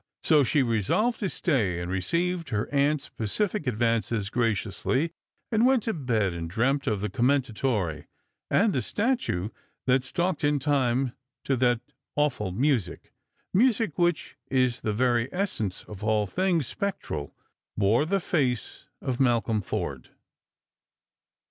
So she resolved to stay, and received hei aunt's pacific advances graciously, and went to bed and dreamt of the Commendatore; and the statue that stalked in time to that awful music — music which is the very essence of all things spectral — bore the face of Malcolm Forde.